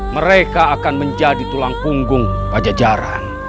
mereka akan menjadi tulang punggung pajajaran